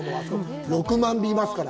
６万尾いますから。